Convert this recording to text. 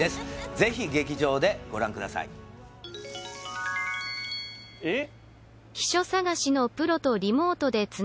ぜひ劇場でご覧くださいえっ？